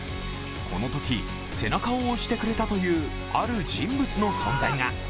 このとき背中を押してくれたというある人物の存在が。